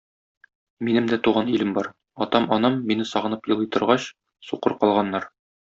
Минем дә туган илем бар: атам-анам, мине сагынып елый торгач, сукыр калганнар.